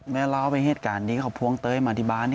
เล่าไปเหตุการณ์นี้เขาพวงเต้ยมาที่บ้าน